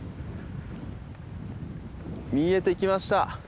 見えてきました。